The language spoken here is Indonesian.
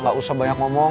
gak usah banyak ngomong